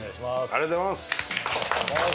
ありがとうございます。